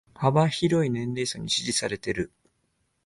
幅広い年齢層に支持されてる